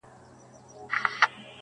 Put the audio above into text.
پر ځان راټولول